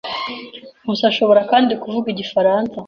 Nkusi ashobora kandi kuvuga igifaransa.